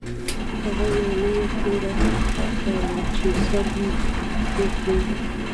هغوی یوه لویه توره راوړه چې سر مې پرې کړي